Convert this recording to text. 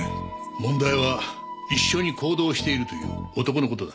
問題は一緒に行動しているという男の事だ。